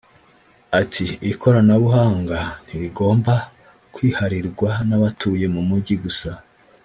Ati “ Ikoranabuhanga ntirigomba kwiharirwa n’abatuye mu mujyi gusa